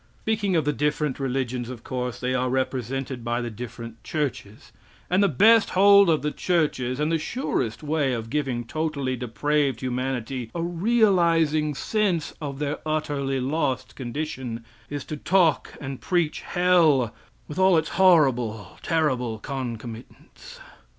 Speaking of the different religions, of course they are represented by the different churches; and the best hold of the churches, and the surest way of giving totally depraved humanity a realizing sense of their utterly lost condition, is to talk and preach hell with all its horrible, terrible concomitants.